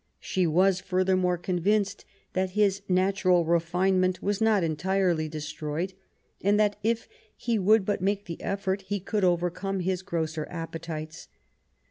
She was, furthermore, convinced that his natural refinement was not entirely destroyed, and that if he would but make the effort he could overcome his grosser appetites.